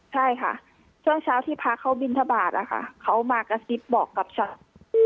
ใช่ค่ะช่วงเช้าที่พระเขาบินทบาทนะคะเขามากระซิบบอกกับศาสตร์